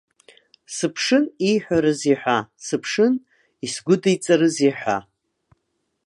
Сыԥшын ииҳәарызеи ҳәа, сыԥшын исгәыдиҵарызеи ҳәа.